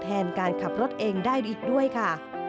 แทนการขับรถเองได้อีกด้วยค่ะ